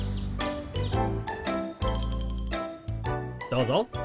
どうぞ。